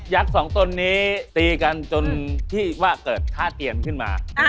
สองตนนี้ตีกันจนที่ว่าเกิดท่าเตียนขึ้นมา